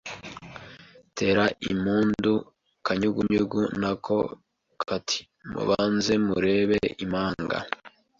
tera impundu kanyugunyugu, nako kati mubanze murebe impanga